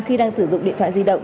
khi đang sử dụng điện thoại di động